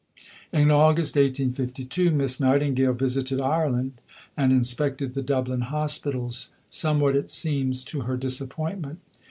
" In August 1852 Miss Nightingale visited Ireland, and inspected the Dublin hospitals, somewhat, it seems, to her disappointment.